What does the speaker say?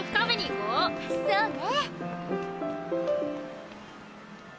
そうね。